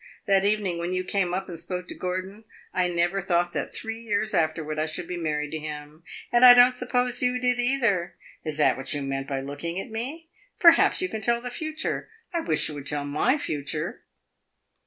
That evening when you came up and spoke to Gordon, I never thought that three years afterward I should be married to him, and I don't suppose you did either. Is that what you meant by looking at me? Perhaps you can tell the future. I wish you would tell my future!"